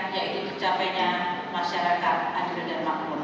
yaitu tercapainya masyarakat adil dan makmur